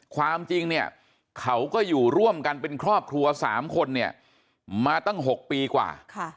ความจริงเนี่ยเขาก็อยู่ร่วมกันเป็นครอบครัว๓คนเนี่ยมาตั้ง๖ปีกว่า